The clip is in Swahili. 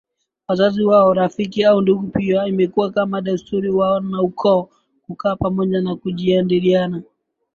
wazazi wao rafiki au ndugu Pia imekuwa kama desturi wanaukoo kukaa pamoja na kujadiliana